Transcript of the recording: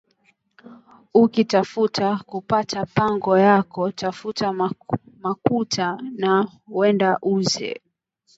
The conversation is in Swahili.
Uki tafuta ku pata pango yako tafuta makuta na wende uze